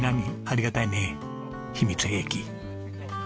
ありがたいね秘密兵器！